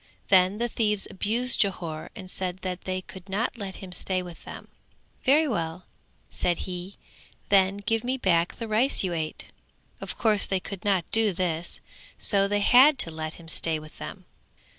Then the thieves abused Jhore and said that they could not let him stay with them: "Very well", said he, "then give me back the rice you ate." Of course they could not do this. So they had to let him stay with them.